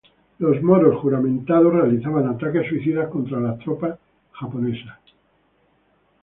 Los moros "juramentados" realizaban ataques suicidas contra las tropas japonesas.